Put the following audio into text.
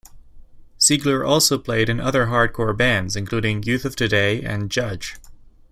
Siegler also played in other hardcore bands, including Youth of Today and Judge.